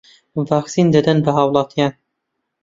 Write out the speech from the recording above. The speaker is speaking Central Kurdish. ڤاکسین دەدەن بە هاووڵاتیان